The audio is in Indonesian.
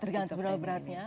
tergantung seberapa beratnya